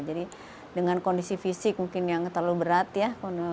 jadi dengan kondisi fisik mungkin yang terlalu berat ya